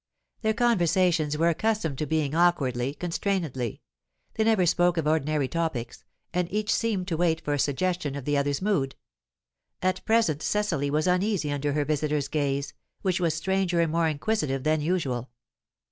Their conversations were accustomed to begin awkwardly, constrainedly. They never spoke of ordinary topics, and each seemed to wait for a suggestion of the other's mood. At present Cecily was uneasy under her visitor's gaze, which was stranger and more inquisitive than usual.